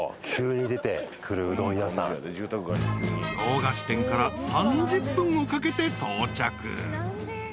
［洋菓子店から３０分をかけて到着］